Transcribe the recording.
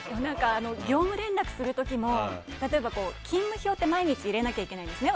業務連絡する時も例えば、勤務表って毎日入れなきゃいけないんですね。